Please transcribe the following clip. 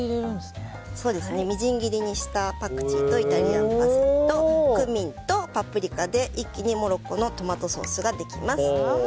みじん切りにしたパクチーとイタリアンパセリとクミンとパプリカで一気にモロッコのトマトソースができます。